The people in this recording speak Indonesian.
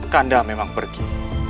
kanda memang pergi